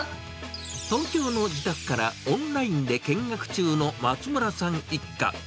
東京の自宅からオンラインで見学中の松村さん一家。